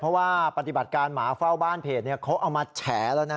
เพราะว่าปฏิบัติการหมาเฝ้าบ้านเพจเขาเอามาแฉแล้วนะ